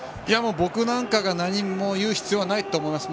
僕なんかが何も言う必要はないと思います。